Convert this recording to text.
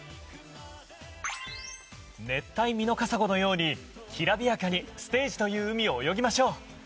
ネッタイミノカサゴのようにきらびやかにステージという海を泳ぎましょう。